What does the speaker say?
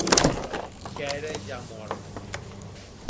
Qu’ère ja mòrta.